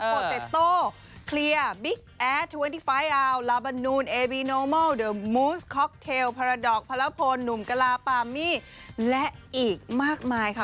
โดเตสโต้เคลียร์บิ๊กแอดทเวดี้ไฟล์อาวลาบันนูนเอบีโนมัลเดอร์มูสค็อกเทลพาราดอกพระละพลหนุ่มกะลาปามี่และอีกมากมายค่ะ